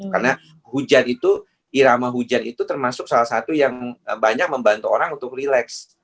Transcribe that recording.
karena hujan itu irama hujan itu termasuk salah satu yang banyak membantu orang untuk relax